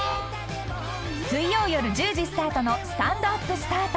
［水曜夜１０時スタートの『スタンドＵＰスタート』］